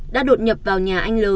đã đột nhập vào nhà anh l